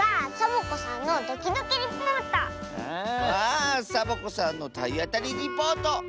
あサボ子さんのたいあたりリポート！